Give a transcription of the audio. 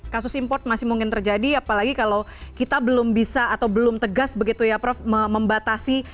kasus import masih mungkin terjadi apalagi kalau kita belum bisa atau belum tegas begitu ya prof membatasi